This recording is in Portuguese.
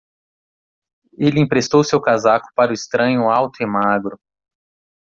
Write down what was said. Ele emprestou seu casaco para o estranho alto e magro.